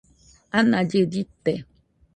anallɨ llɨte